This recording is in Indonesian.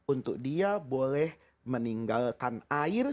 untuk dia boleh meninggalkan air